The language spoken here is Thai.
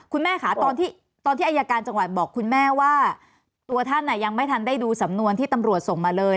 คุณแม่ค่ะตอนที่อายการจังหวัดบอกคุณแม่ว่าตัวท่านยังไม่ทันได้ดูสำนวนที่ตำรวจส่งมาเลย